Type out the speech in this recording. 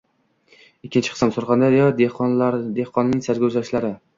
Ikkinchi qism. Surxondaryo dehqonining sarguzashtlari